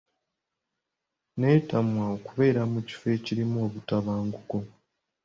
Neetamwa okubeera mu kifo ekirimu butabanguko.